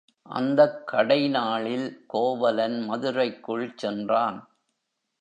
அந்தக் கடை நாளில் கோவலன் மதுரைக்குள் சென்றான்.